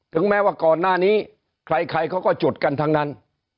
แม้ว่าก่อนหน้านี้ใครเขาก็จุดกันทั้งนั้น